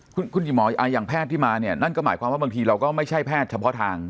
คุณหญิงหมออย่างแพทย์ที่มาเนี่ยนั่นก็หมายความว่าบางทีเราก็ไม่ใช่แพทย์เฉพาะทาง